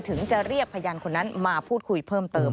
ถึงจะเรียกพยานคนนั้นมาพูดคุยเพิ่มเติม